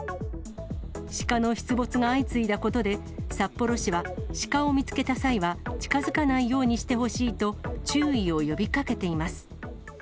シカの出没が相次いだことで、札幌市はシカを見つけた際は、近づかないようにしてほしいと、注意を呼びかけています。